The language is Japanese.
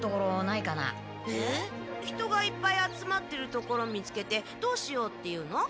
人がいっぱい集まってるところ見つけてどうしようっていうの？